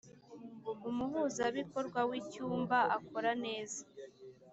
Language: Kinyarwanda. umuhuzabikorwa w ‘icyumba akora neza.